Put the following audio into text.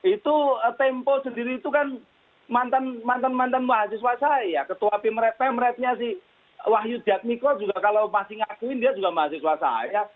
itu tempo sendiri itu kan mantan mantan mahasiswa saya ketua pemretnya si wahyu jadmiko juga kalau masih ngakuin dia juga mahasiswa saya